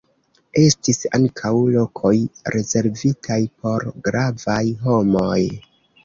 Estis ankaŭ lokoj rezervitaj por gravaj homoj.